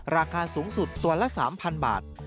ราคาสูงสุดตัวละ๓๐๐บาท